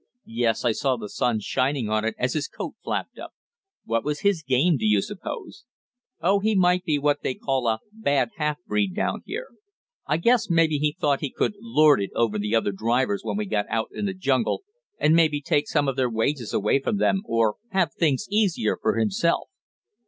"Yes, I saw the sun shining on it as his coat flapped up. What was his game, do you suppose?" "Oh, he might be what they call a 'bad half breed' down here. I guess maybe he thought he could lord it over the other drivers when we got out in the jungle, and maybe take some of their wages away from them, or have things easier for himself."